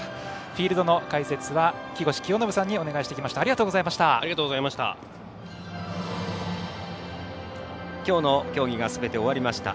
フィールドの解説は木越清信さんにお願いしてまいりました。